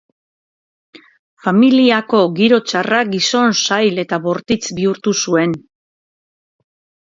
Familiako giro txarrak gizon zail eta bortitz bihurtu zuen.